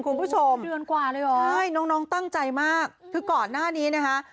คุณผู้ชมใช่น้องตั้งใจมากคือก่อนหน้านี้นะฮะ